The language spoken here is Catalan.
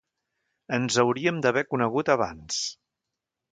Ens hauríem d'haver conegut abans.